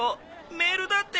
メールだって。